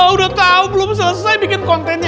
udah tahu belum selesai bikin kontennya